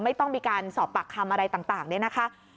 ไม่ต้องมีการสอบปากคำอะไรต่างเนี่ยนะคะ